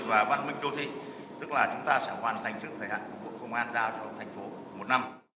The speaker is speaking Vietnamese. và văn minh đô thị tức là chúng ta sẽ hoàn thành sự thể hạng của công an giao cho thành phố một năm